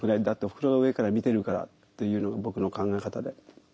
だっておふくろが上から見てるからっていうのが僕の考え方で。